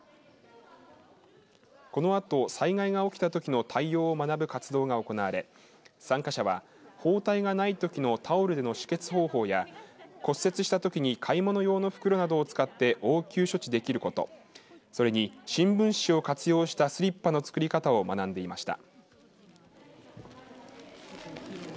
このあと災害が起きたときの対応を学ぶ活動が行われ参加者は包帯がないときのタオルでの止血方法や骨折したときに買い物用の袋などを使って応急処置できることそれに、新聞紙を活用したスリッパの作り方を学んでいました。